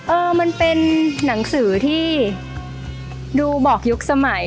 เออมันเป็นหนังสือที่ดูบอกยุคสมัย